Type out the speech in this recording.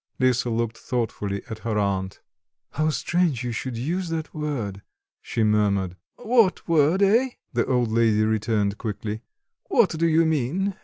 Lisa looked thoughtfully at her aunt. "How strange you should use that word!" she murmured. "What word, eh?" the old lady returned quickly. "What do you mean?